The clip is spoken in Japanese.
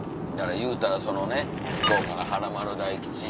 いうたらそのね福岡の華丸大吉。